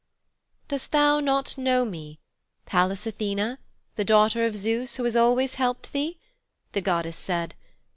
'Dost thou not know me, Pallas Athene, the daughter of Zeus, who has always helped thee?' the goddess said.